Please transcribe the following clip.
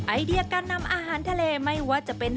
ไอเดียการนำอาหารทะเลไม่ว่าจะเป็น